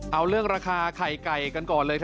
เอาเรื่องราคาไข่ไก่กันก่อนเลย